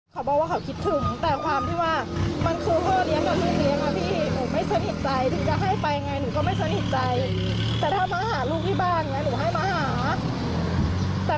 ลูกว่าทำไมถึงคนในบ้านไม่ดูแล